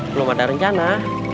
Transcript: belum ada rencana